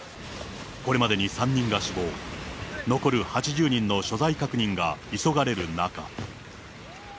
これまでに３人が死亡、残る８０人の所在確認が急がれる中。